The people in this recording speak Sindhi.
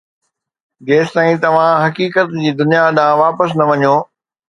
جيستائين توهان حقيقت جي دنيا ڏانهن واپس نه وڃو.